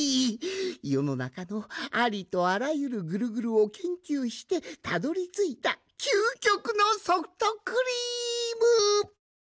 よのなかのありとあらゆるグルグルをけんきゅうしてたどりついたきゅうきょくのソフトクリーム！って。